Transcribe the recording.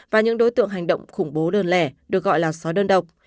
và những đối tượng hành động khủng bố đơn lẻ được gọi là xóa đơn độc